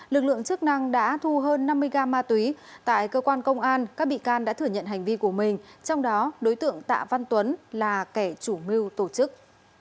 lực lượng chức năng đã thu hơn năm mươi gam ma túy tại cơ quan công an các bị can đã thử nhận hành vi của mình trong đó đối tượng tạ văn tuấn là kẻ chủ mưu tổ chức